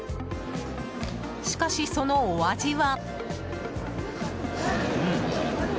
しかしそのお味は。